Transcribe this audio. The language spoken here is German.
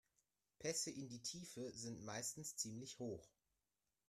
Pässe in die Tiefe sind meistens ziemlich hoch.